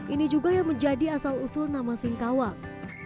ini juga yang menjadi asal usul nama singkawang